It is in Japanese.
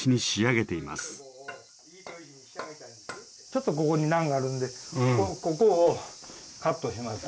ちょっとここに難があるんでここをカットします。